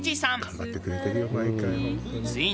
「頑張ってくれてるよ毎回本当に」